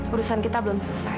urusan kita belum selesai